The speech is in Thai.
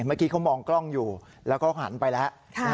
เมื่อกี้เขามองกล้องอยู่แล้วเขาหันไปแล้ว